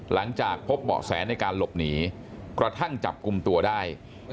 หลังจากพบเบาะแสในการหลบหนีกระทั่งจับกลุ่มตัวได้